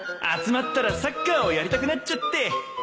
集まったらサッカーをやりたくなっちゃって